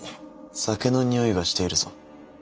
酒の臭いがしているぞ。